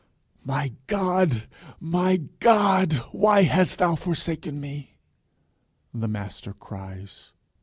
"My God, my God, why hast thou forsaken me?" the Master cries.